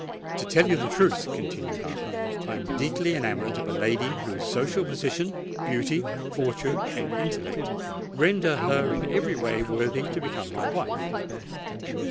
"To tell you the truth," continued Arthur, "I am deeply enamoured of a lady whose social position, beauty, fortune, and intellect render her in every way worthy to become my wife."